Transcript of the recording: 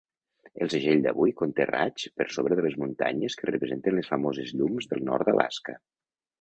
El segell d'avui conté raigs per sobre de les muntanyes que representen les famoses llums del nord d'Alaska.